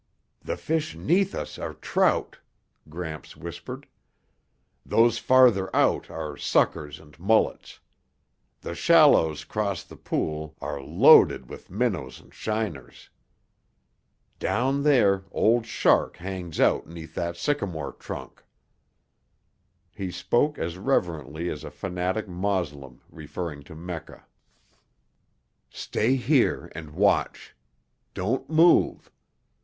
"The fish 'neath us are trout," Gramps whispered. "Those farther out are suckers and mullets. The shallows 'cross the pool are loaded with minnows and shiners. Down there Old Shark hangs out 'neath that sycamore trunk." He spoke as reverently as a fanatic Moslem referring to Mecca. "Stay here and watch. Don't move.